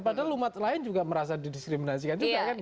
padahal umat lain juga merasa didiskriminasikan juga kan